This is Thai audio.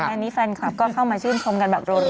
งานนี้แฟนคลับก็เข้ามาชื่นชมกันแบบรัว